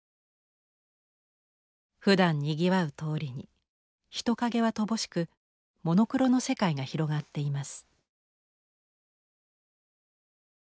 ふだんにぎわう通りに人影は乏しくモノクロの世界が広がっています。